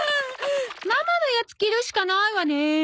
ママのやつ着るしかないわね。